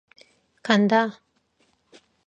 간다.